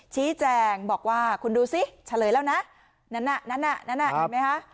ชี้แจงบอกว่าคุณดูสิเฉลยแล้วนะนั่นน่ะนั่นน่ะนั่นน่ะเห็นไหมคะ